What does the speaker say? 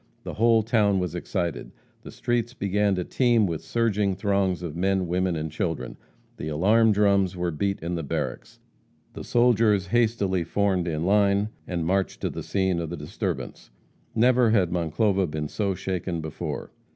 The whole town was excited. The streets began to teem with surging throngs of men, women and children; the alarm drums were beat in the barracks; the soldiers hastily formed in line and marched to the scene of the disturbance. Never had Monclova been so shaken before.